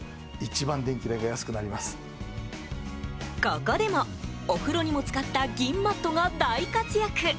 ここでもお風呂にも使った銀マットが大活躍！